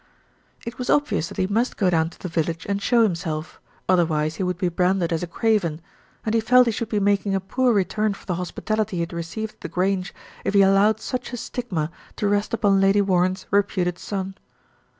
It was obvious that he must go down to the village 290 THE RETURN OF ALFRED and show himself, otherwise he would be branded as a craven, and he felt he should be making a poor return for the hospitality he had received at The Grange, if he allowed such a stigma to rest upon Lady Warren's reputed son.